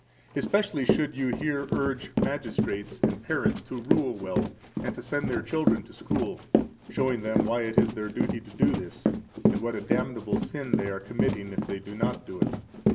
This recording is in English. Especially should you here urge magistrates and parents to rule well and to send their children to school, showing them why it is their duty to do this, and what a damnable sin they are committing if they do not do it.